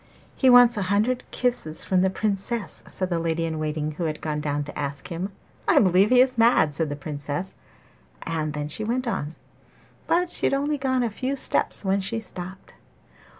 'He wants a hundred kisses from the Princess,' said the lady in waiting who had gone down to ask him. 'I believe he is mad!' said the Princess, and then she went on; but she had only gone a few steps when she stopped.